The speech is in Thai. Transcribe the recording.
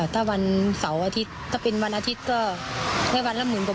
ถ้าวันเสาร์อาทิตย์ถ้าเป็นวันอาทิตย์ก็ได้วันละหมื่นกว่า